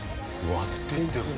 割っていってる。